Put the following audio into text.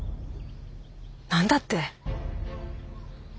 何だって？